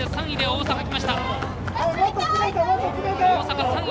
３位で大阪。